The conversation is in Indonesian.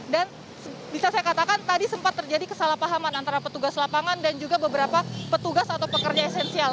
bisa saya katakan tadi sempat terjadi kesalahpahaman antara petugas lapangan dan juga beberapa petugas atau pekerja esensial